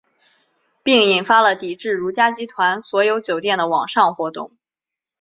并引发了抵制如家集团所有酒店的网上活动。